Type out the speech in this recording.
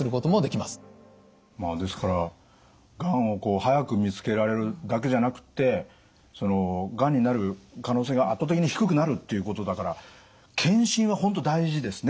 ですからがんを早く見つけられるだけじゃなくってがんになる可能性が圧倒的に低くなるっていうことだから検診はホント大事ですね。